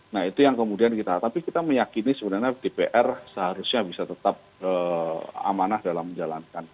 nah itu yang kemudian kita tapi kita meyakini sebenarnya dpr seharusnya bisa tetap amanah dalam menjalankan